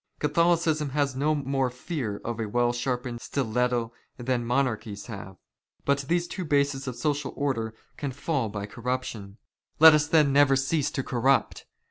Catholicism has no more fear of a well " sharpened stiletto than monarchies have, but these two bases " of social order can foil by corruption. Let us then never *' cease to corrupt.